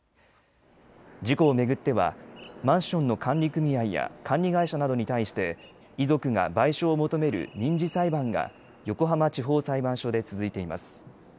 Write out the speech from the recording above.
事故を巡ってはマンションの管理組合や管理会社などに対して遺族が賠償を求める民事裁判が横浜地方裁判所で続いています。